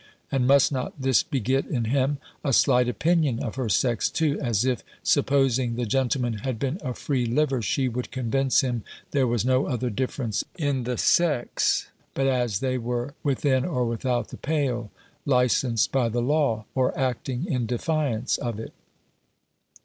And must not this beget in him a slight opinion of her sex too, as if, supposing the gentleman had been a free liver, she would convince him there was no other difference in the sex, but as they were within or without the pale, licensed by the law, or acting in defiance of it?"